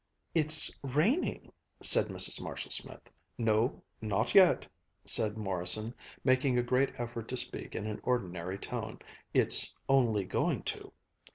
"It's raining," said Mrs. Marshall Smith. "No, not yet," said Morrison, making a great effort to speak in an ordinary tone. "It's only going to."